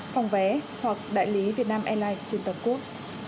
phòng vé hoặc đại lý việt nam airlines trên tập quốc